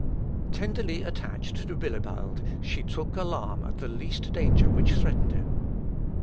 Tenderly attached to Bilibald she took alarm at the least danger which threatened him.